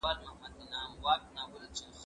زه بايد ونې ته اوبه ورکړم!؟